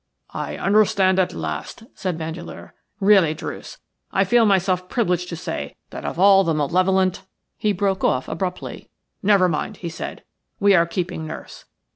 "I understand at last," said Vandeleur. "Really, Druce, I feel myself privileged to say that of all the malevolent –" he broke off abruptly. "Never mind," he said, "we are keeping nurse.